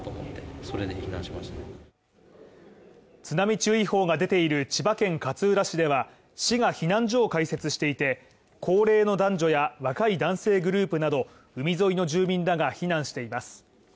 津波注意報が出ている千葉県勝浦市では、市が避難所を開設していて高齢の男女や若い男性グループなど、海沿いの住民らが避難しています。